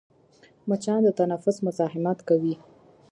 مچان د تنفس مزاحمت کوي